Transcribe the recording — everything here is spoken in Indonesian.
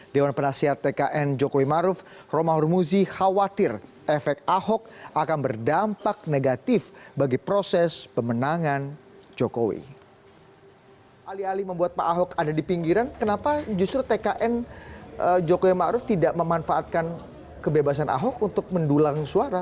kenapa justru tkn jokowi ma'ruf tidak memanfaatkan kebebasan ahok untuk mendulang suara